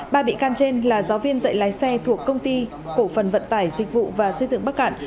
ba bị can trên là giáo viên dạy lái xe thuộc công ty cổ phần vận tải dịch vụ và xây dựng bắc cạn